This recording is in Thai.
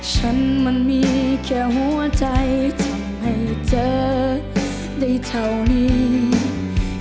ฉันมันมีแค่หัวใจทำให้เธอได้เท่านี้